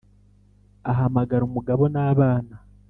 ahamagara umugabo n'abana